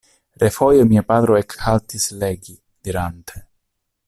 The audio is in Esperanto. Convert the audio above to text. Refoje mia patro ekhaltis legi, dirante: